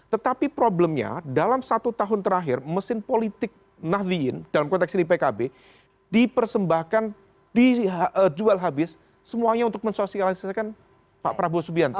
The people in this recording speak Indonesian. tetapi problemnya dalam satu tahun terakhir mesin politik nahdliin dalam konteks ini pkb dipersembahkan dijual habis semuanya untuk mensosialisasikan pak prabowo subianto